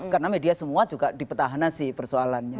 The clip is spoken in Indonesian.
karena media semua juga dipetahkan sih persoalannya